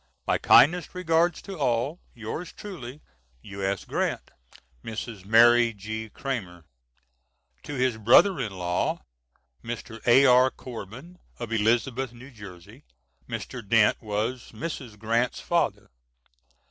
My kindest regards to all. Yours truly, U.S. GRANT. MRS. MARY G. CRAMER. [To his brother in law, Mr. A.R. Corbin, of Elizabeth, N.J. Mr. Dent was Mrs. Grant's father.